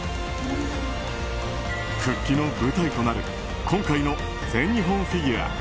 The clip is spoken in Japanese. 復帰の舞台となる今回の全日本フィギュア。